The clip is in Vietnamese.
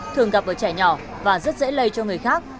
thường gặp ở trẻ nhỏ và rất dễ lây cho người khác